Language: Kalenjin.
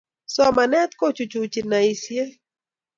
somanet kochuchuchi naisiet